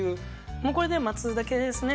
もうこれで待つだけですね。